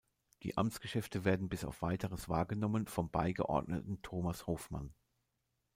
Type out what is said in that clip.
Die Amtsgeschäfte werden bis auf Weiteres wahrgenommen vom Beigeordneten Thomas Hoffmann.